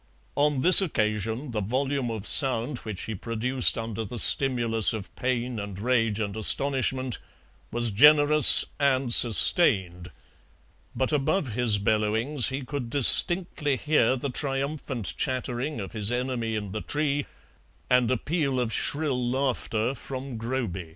On this occasion the volume of sound which he produced under the stimulus of pain and rage and astonishment was generous and sustained, but above his bellowings he could distinctly hear the triumphant chattering of his enemy in the tree, and a peal of shrill laughter from Groby.